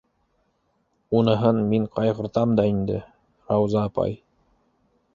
Уныһын мин ҡайғыртам да инде, Рауза апай.